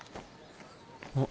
あっ。